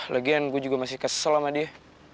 lagian gue juga masih kesel sama dia